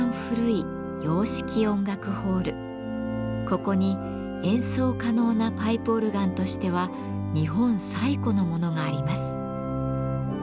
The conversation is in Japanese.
ここに演奏可能なパイプオルガンとしては日本最古のものがあります。